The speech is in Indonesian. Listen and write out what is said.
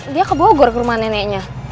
dia ke bogor ke rumah neneknya